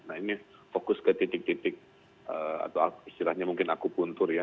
nah ini fokus ke titik titik atau istilahnya mungkin aku puntur ya